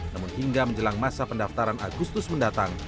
namun hingga menjelang masa pendaftaran agustus mendatang